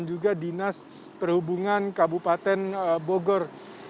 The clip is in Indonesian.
dan juga dinas perhubungan kabupaten bogor